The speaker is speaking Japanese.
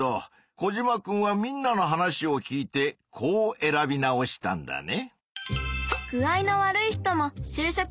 コジマくんはみんなの話を聞いてこう選び直したんだね。